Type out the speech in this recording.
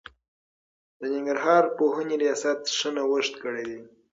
د ننګرهار پوهنې رياست ښه نوښت کړی دی.